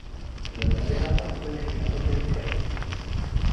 Durante varios años fue legislador provincial.